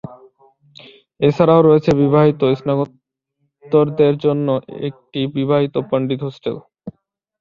এছাড়াও রয়েছে বিবাহিত স্নাতকোত্তরদের জন্য একটি বিবাহিত পণ্ডিত হোস্টেল।